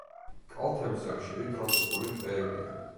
კალთებზე ხშირი ტროპიკული ტყეებია.